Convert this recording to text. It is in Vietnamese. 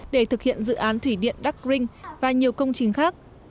để thực hiện dự án thủy điện dark ring và nhiều công trình khác